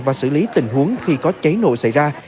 và xử lý tình huống khi có cháy nổ xảy ra